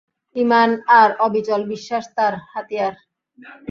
ঈমান আর অবিচল বিশ্বাস তাঁর হাতিয়ার।